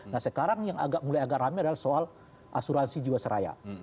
nah sekarang yang agak mulai agak rame adalah soal asuransi jiwasraya